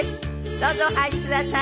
どうぞお入りください。